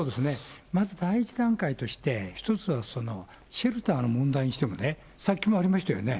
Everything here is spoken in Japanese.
まず第１段階として、１つはシェルターの問題にしてもね、さっきもありましたよね。